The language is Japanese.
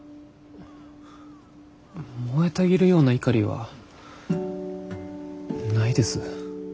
燃えたぎるような怒りはないです。